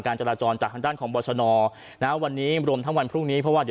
จราจรจากทางด้านของบรชนนะวันนี้รวมทั้งวันพรุ่งนี้เพราะว่าเดี๋ยว